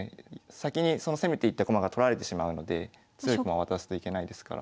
先にその攻めていった駒が取られてしまうので強い駒渡すといけないですから。